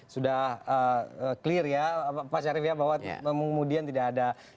sudah clear ya pak syarif ya bahwa kemudian tidak ada sesuatu yang bisa diberikan